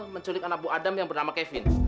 menculik anak bu adam yang bernama kevin